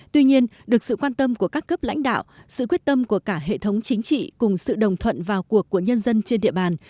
tuy nhiên được sự quan tâm của các cấp lãnh đạo sự quyết tâm của cả hệ thống chính trị cùng sự đồng thuận vào cuộc của nhân dân trên địa bàn